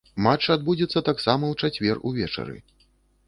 Матч адбудзецца таксама ў чацвер увечары.